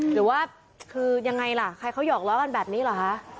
หรือว่าคือยังไงล่ะใครเขาหอกล้อกันแบบนี้เหรอคะ